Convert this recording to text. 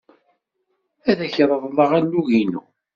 Ad ak-reḍleɣ alug-inu.